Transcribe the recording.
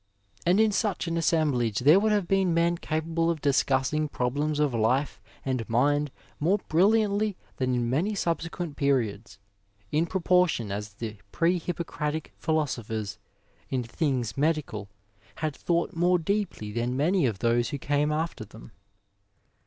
An^ in such an assemblage there would have been men capable of discussing problems of life and mind more brilliantly than in many subsequent periods, in proportion as the pre Hippocratic philosophers in things medical had thought more deeply than many of those who came after them.